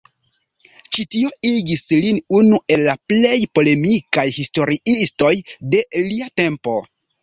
Ĉi tio igis lin unu el la plej polemikaj historiistoj de lia tempo.